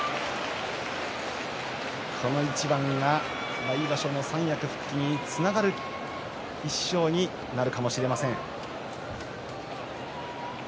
この一番が来場所の三役復帰につながる１勝になるかもしれません。